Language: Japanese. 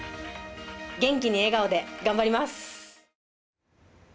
元気に笑顔で頑張ります。